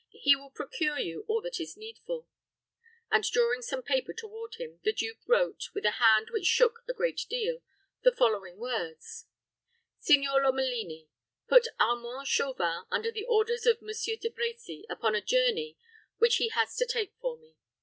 He will procure you all that is needful;" and, drawing some paper toward him, the duke wrote, with a hand which shook a good deal, the following words: "Signor Lomelini, put Armand Chauvin under the orders of Monsieur De Brecy upon a journey which he has to take for me.